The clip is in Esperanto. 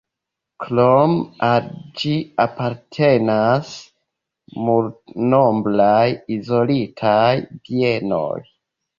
Krome al ĝi apartenas multnombraj izolitaj bienoj.